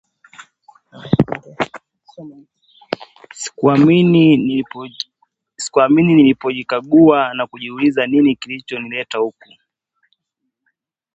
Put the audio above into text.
Sikuamini nilipojikagua na kujiuliza nini kilicho nileta huku